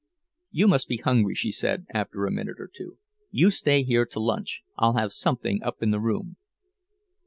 "You must be hungry," she said, after a minute or two. "You stay here to lunch—I'll have something up in the room."